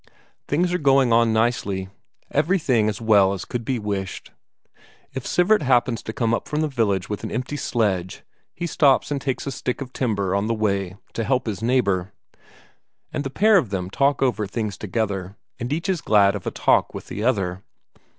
Things are going on nicely, everything as well as could be wished. If Sivert happens to come up from the village with an empty sledge, he stops and takes a stick of timber on the way, to help his neighbour. And the pair of them talk over things together, and each is glad of a talk with the other.